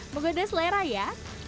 mungkin ada selera ya